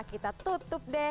kita tutup deh